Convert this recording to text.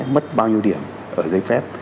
mất bao nhiêu điểm ở giấy phép